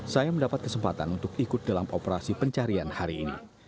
saya mendapat kesempatan untuk ikut dalam operasi pencarian hari ini